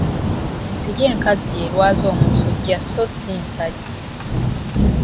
Ensiri enkazi y'erwaza omusujja so si nsajja.